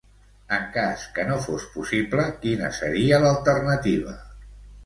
En cas que no fos possible, quina seria l'alternativa?